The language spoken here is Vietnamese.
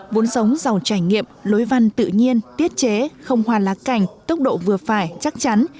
vốn sống giàu trải nghiệm lối văn tự nhiên tiết chế không hoa lá cành tốc độ vừa phải chắc chắn